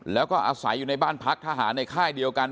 แล้วก็อาศัยอยู่ในบ้านพักทหารในค่ายเดียวกัน